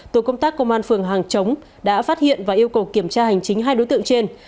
tổ công tác công an phường hàng chống đã phát hiện và yêu cầu kiểm tra hành chính hai đối tượng trên